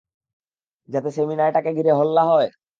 যাতে সেমিনারটাকে ঘিরে হল্লা হয়?